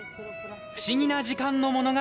不思議な時間の物語です。